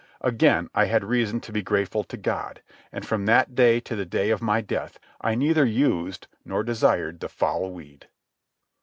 Again I had reason to be grateful to God, and from that day to the day of my death, I neither used nor desired the foul weed.